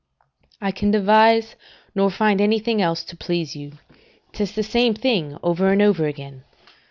["I can devise, nor find anything else to please you: 'tis the same thing over and over again."